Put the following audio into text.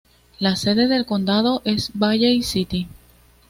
La sede del condado es Valley City.